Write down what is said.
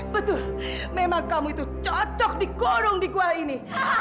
betul memang kamu itu cocok digorong di kuah ini